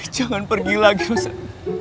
jangan pergi lagi rosel